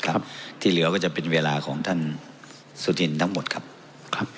ครับที่เหลือก็จะเป็นเวลาของท่านสุธินทั้งหมดครับครับ